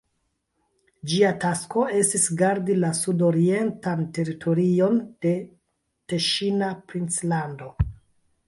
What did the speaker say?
Ĝia tasko estis gardi la sudorientan teritorion de la Teŝina princlando.